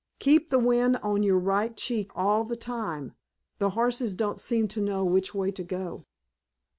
Keep the wind on your right cheek all the time. The horses don't seem to know which way to go."